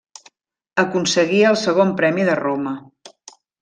Aconseguí el segon premi de Roma.